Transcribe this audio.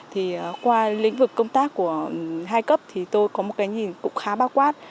thì qua lĩnh vực công tác của hai cấp thì tôi có một cái nhìn cũng khá bao quát